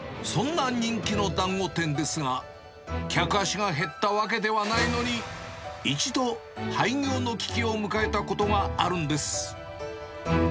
そんな人気のだんご店ですが、客足が減ったわけではないのに、一度、廃業の危機を迎えたことがあるんです。